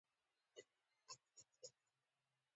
ګلاب د طبیعت زړه دی.